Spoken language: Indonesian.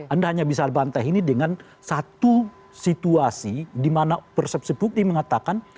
anda hanya bisa bantah ini dengan satu situasi di mana persepsi bukti mengatakan